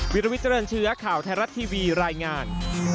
วิลวิเจริญเชื้อข่าวไทยรัฐทีวีรายงาน